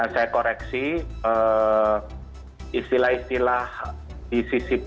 saya koreksi istilah istilah di ccp